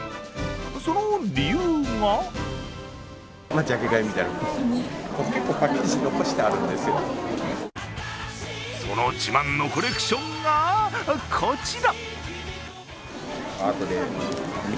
その理由がその自慢のコレクションがこちら。